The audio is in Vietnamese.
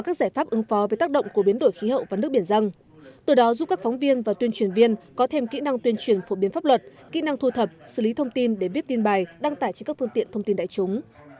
từ đó giúp các phóng viên và tuyên truyền viên có thêm kỹ năng tuyên truyền phổ biến pháp luật kỹ năng thu thập xử lý thông tin để viết tin bài đăng tải trên các phương tiện thông tin đại chúng